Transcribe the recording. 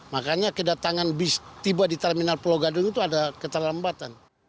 makanya kedatangan bus tiba di terminal pulau gadung itu ada keterlambatan